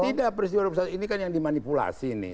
tidak presiden dua ribu dua puluh satu ini kan yang dimanipulasi nih